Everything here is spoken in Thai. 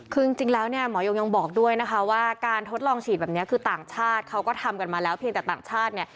คือจริงแล้วเนี่ยหมอยงยังบอกด้วยนะคะว่าการทดลองฉีดแบบนี้คือต่างชาติเขาก็ทำกันมาแล้วเพียงแต่ต่างชาติเนี่ย